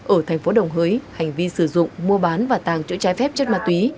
ở thành phố đồng hới hành vi sử dụng mua bán và tàng trữ trái phép chất ma túy